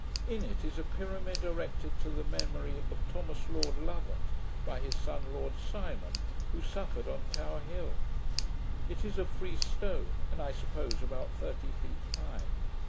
In it is a pyramid erected to the memory of Thomas Lord Lovat, by his son Lord Simon, who suffered on Towerhill. It is of free stone, and, I suppose, about thirty feet high.